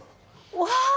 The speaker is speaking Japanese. うわ！